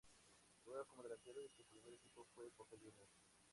Juega como delantero y su primer equipo fue Boca Juniors.